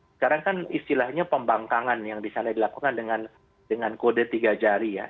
sekarang kan istilahnya pembangkangan yang di sana dilakukan dengan kode tiga jari ya